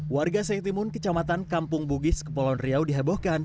warga seng timun kecamatan kampung bugis kepulauan riau dihebohkan